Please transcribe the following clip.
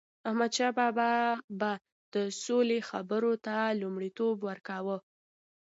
احمدشاه بابا به د سولي خبرو ته لومړیتوب ورکاوه.